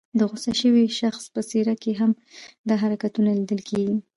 د غوسه شوي شخص په څېره کې هم دا حرکتونه لیدل کېږي.